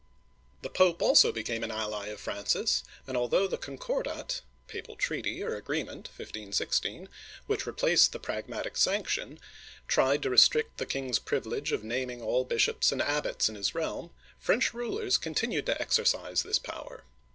The Pope also became an ally of Francis, and although the Concor'dat (papal treaty or agreement, 1516), which replaced the Pragmatic Sanction (see page 2CX5), tried to restrict the king*s privilege of naming all bishops and abbots in his realm, French rulers continued to exercise this power.